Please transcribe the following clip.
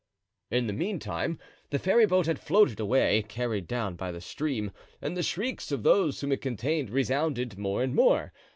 In the meantime, the ferryboat had floated away, carried down by the stream, and the shrieks of those whom it contained resounded more and more.